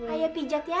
ayah pijat ya